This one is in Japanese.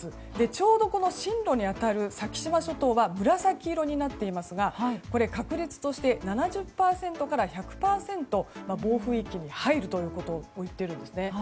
ちょうど進路に当たる先島諸島は紫色になっていますがこれは確率として７０％から１００％暴風域に入ることを言ってるんですね。